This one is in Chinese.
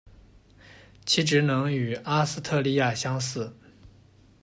其职能与阿斯特莉亚相似。